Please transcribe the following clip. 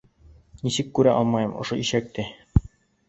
Нисек күрә алмайым ошо ишәкте!